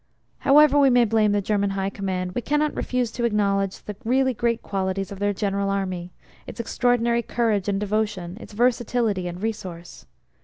However we may blame the German High Command, we cannot refuse to acknowledge the really great qualities of their general Army: its extraordinary courage and devotion, its versatility and resource.